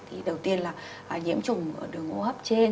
thì đầu tiên là nhiễm trùng đường ô hấp trên